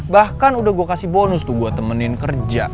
bahkan udah gue kasih bonus tuh gue temenin kerja